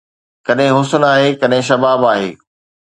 ڪڏهن حسن آهي، ڪڏهن شباب آهي